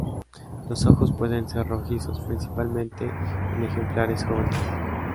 Los ojos pueden ser rojizos principalmente en ejemplares jóvenes.